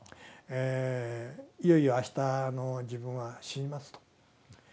いよいよあした自分は死にますと。